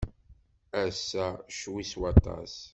Ass-a ccwi s waṭas.